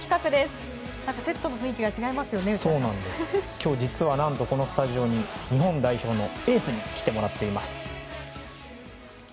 今日実は何と、このスタジオに日本代表のエースに来てもらっています。